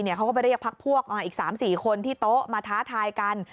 เขาก็ไปเรียกพักพวกมาอีก๓๔คนที่โต๊ะมาท้าทายกัน